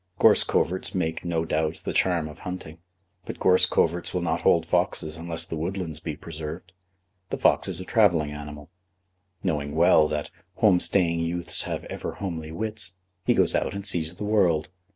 Gorse coverts make, no doubt, the charm of hunting, but gorse coverts will not hold foxes unless the woodlands be preserved. The fox is a travelling animal. Knowing well that "home staying youths have ever homely wits," he goes out and sees the world.